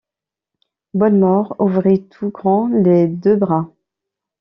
Bonnemort ouvrit tout grands les deux bras.